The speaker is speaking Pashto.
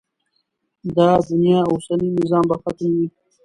دا د دنیا اوسنی نظم به ختموي.